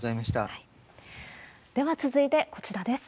では続いてこちらです。